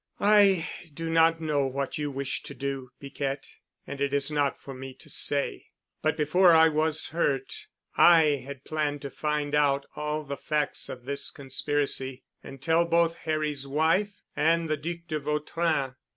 "I do not know what you wish to do, Piquette, and it is not for me to say. But before I was hurt, I had planned to find out all the facts of this conspiracy and tell both Harry's wife and the Duc de Vautrin.